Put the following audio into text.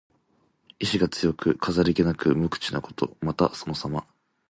意思が強く、飾り気がなく無口なこと。また、そのさま。